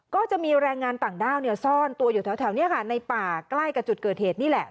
ก็จะมีแรงงานต่างด้าวซ่อนตัวอยู่แถวนี้ค่ะในป่าใกล้กับจุดเกิดเหตุนี่แหละ